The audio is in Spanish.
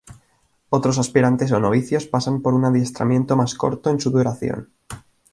Otros aspirantes o novicios pasan por un adiestramiento más corto en su duración.